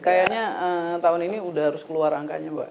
kayaknya tahun ini udah harus keluar angkanya mbak